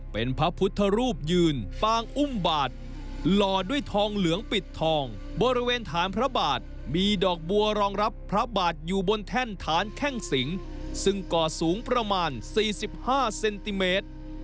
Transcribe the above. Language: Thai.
เป็นพระพุทธรูปยืนปางอุ้มบาทหล่อด้วยทองเหลืองปิดทองบริเวณฐานพระบาทมีดอกบัวรองรับพระบาทอยู่บนแท่นฐานแข้งสิงซึ่งก่อสูงประมาณ๔๕เซนติเมตร